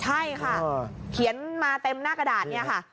ใช่ค่ะเขียนมาเต็มหน้ากระดาษเนี่ยค่ะ